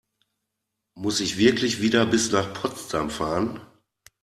Muss ich wirklich wieder bis nach Potsdam fahren?